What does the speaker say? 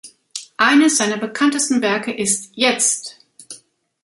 Eines seiner bekanntesten Werke ist "Jetzt!